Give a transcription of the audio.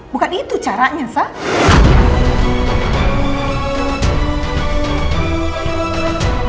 bukan itu caranya sam